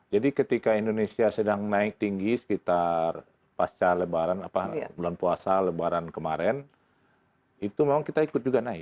jadi ketika indonesia sedang naik tinggi sekitar pasca lebaran bulan puasa lebaran kemarin itu memang kita ikut juga naik